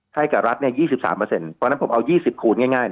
ให้กับรัฐเนี่ย๒๓เปอร์เซ็นต์เพราะฉะนั้นผมเอา๒๐คูณง่าย